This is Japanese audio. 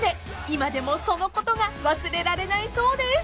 今でもそのことが忘れられないそうです］